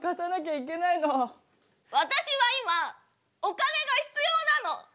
私は今お金が必要なの。